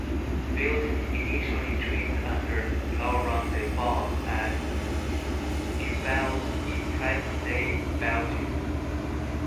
Wilton initially trained under Laurent Delvaux at Nivelles, in present-day Belgium.